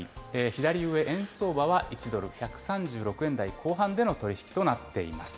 左上、円相場は１ドル１３６円台後半での取り引きとなっています。